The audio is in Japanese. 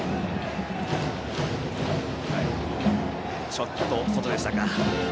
ちょっと外でしたか。